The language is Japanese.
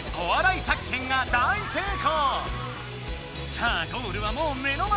さあゴールはもう目の前！